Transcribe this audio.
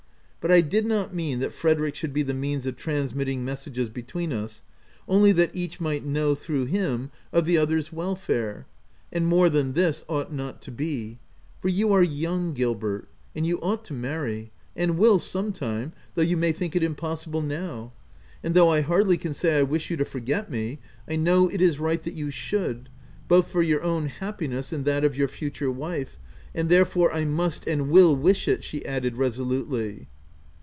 But I did not mean that Frederick should be the means of transmitting messages between us, only that each might know, through him, of the other's OP WILDFELL HALL. 145 welfare ;— and more than this ought not to be ; for you are young, Gilbert, and you ought to marry — and will some time, though you may think it impossible now :— and though I hardly can say I wish you to forget me, I know it is right that you should, both for your own hap piness and that of your future wife ;— and there fore I must and will wish it," she added reso lutely.